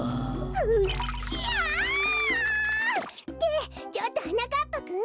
うキャ！ってちょっとはなかっぱくん！